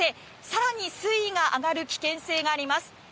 更に水位が上がる危険性があります。